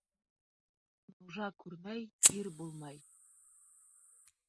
Нужа күрмәй ир булмай.